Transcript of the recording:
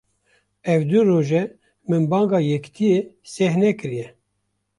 Ev du roj e, min banga yekîtiyê seh nekiriye